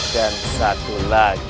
dan satu lagi